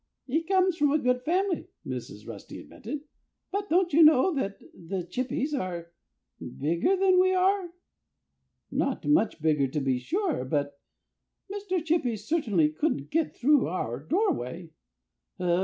"He comes from a good family," Mrs. Rusty admitted. "But don't you know that the Chippys are bigger than we are? Not much bigger, to be sure. But Mr. Chippy certainly couldn't get through our doorway."